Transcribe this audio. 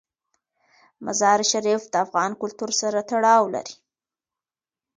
مزارشریف د افغان کلتور سره تړاو لري.